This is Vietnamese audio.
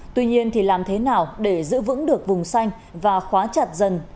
tuy nhiên thì làm thế nào để giữ vững được vùng xanh và khóa chặt dần